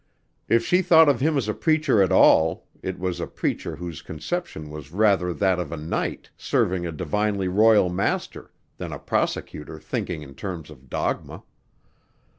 If she thought of him as a preacher at all it was a preacher whose conception was rather that of a knight serving a divinely royal master than a prosecutor thinking in terms of dogma.